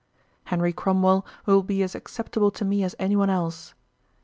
Henry Cromwell will be as acceptable to me as any one else.